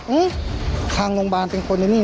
อื้อทางโรงพยาบาลเป็นคนอย่างนี้